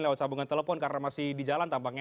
kita coba sambungkan telepon karena masih di jalan tampaknya